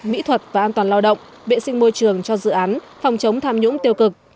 mỹ thuật và an toàn lao động vệ sinh môi trường cho dự án phòng chống tham nhũng tiêu cực